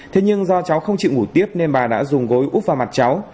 thế nhưng do cháu không chịu ngủ tiếp nên bà đã dùng gối úp vào mặt cháu